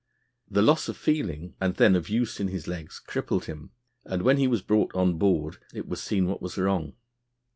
The loss of feeling and then of use in his legs crippled him, and when he was brought on board it was seen what was wrong.